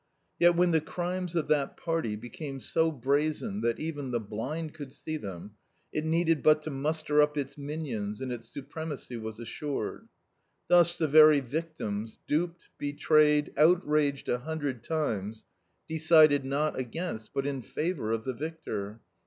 Yet when the crimes of that party became so brazen that even the blind could see them, it needed but to muster up its minions, and its supremacy was assured. Thus the very victims, duped, betrayed, outraged a hundred times, decided, not against, but in favor of the victor.